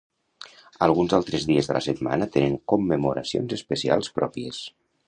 Alguns altres dies de la setmana tenen commemoracions especials pròpies.